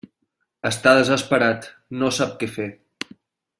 Està desesperat, no sap què fer.